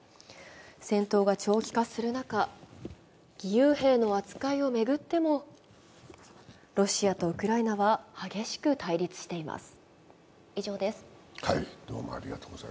戦闘が長期化する中、義勇兵の扱いを巡ってもロシアとウクライナは激しく対立しています。